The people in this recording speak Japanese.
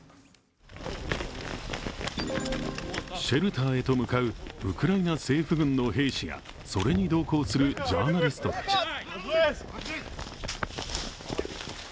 シェルターへと向かうウクライナ政府軍の兵士やそれに同行するジャーナリストたち。